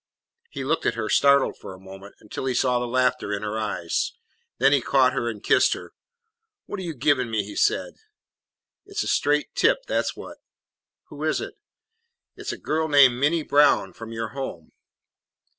He looked at her, startled for a moment, until he saw the laughter in her eyes. Then he caught her and kissed her. "What 're you givin' me?" he said. "It 's a straight tip, that 's what." "Who is it?" "It 's a girl named Minty Brown from your home."